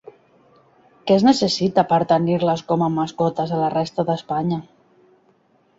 Què es necessita per tenir-les com a mascotes a la resta d'Espanya?